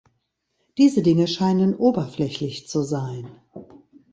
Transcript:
Diese Dinge scheinen oberflächlich zu sein.